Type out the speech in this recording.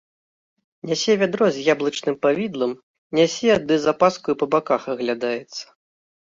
Нясе вядро з яблычным павідлам, нясе ды з апаскаю па баках аглядаецца.